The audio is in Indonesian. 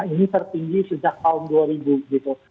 ini tertinggi sejak tahun dua ribu gitu